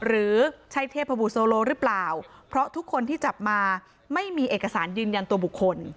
หรือใช่เทพบุโซโลหรือเปล่าเพราะทุกคนที่จับมาไม่มีเอกสารยืนยันตัวบุคคล